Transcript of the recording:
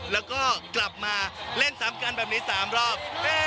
แล้วก็กลับมาเล่นซ้ำกันแบบนี้๓รอบ